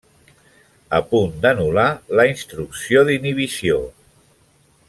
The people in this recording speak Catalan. A punt d'anul·lar la instrucció d'inhibició.